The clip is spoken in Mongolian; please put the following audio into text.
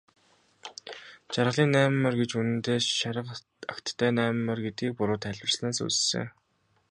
Жаргалын найман морь гэж үнэндээ шарга агттай найман морь гэдгийг буруу тайлбарласнаас үүссэн.